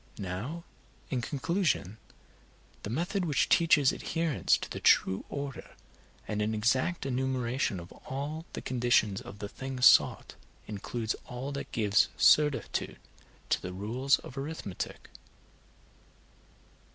Now, in conclusion, the method which teaches adherence to the true order, and an exact enumeration of all the conditions of the thing sought includes all that gives certitude to the rules of arithmetic.